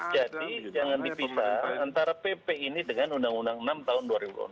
jadi jangan dipisah antara pp ini dengan undang undang nomor enam tahun dua ribu delapan belas